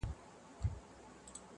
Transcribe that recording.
هغه د شنه ځنګله په څنډه کي سرتوره ونه!.